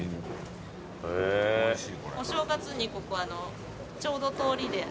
へぇー。お正月にここちょうど通りで。